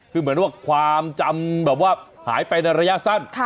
คือเหมือนว่าความจำแบบว่าหายไปในระยะสั้น